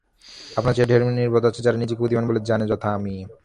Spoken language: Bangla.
আপনার চেয়ে ঢের নির্বোধ আছে যারা নিজেকে বুদ্ধিমান বলে জানে– যথা আমি।